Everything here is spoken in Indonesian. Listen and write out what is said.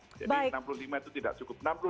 jadi enam puluh lima itu tidak cukup